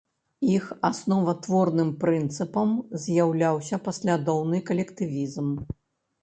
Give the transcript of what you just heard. Іх асноватворным прынцыпам з'яўляўся паслядоўны калектывізм.